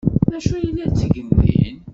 D acu ay la ttgen din?